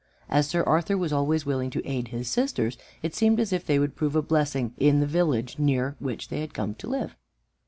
As Sir Arthur was always willing to aid his sisters, it seemed as if they would prove a blessing in in the village near which they had come to live.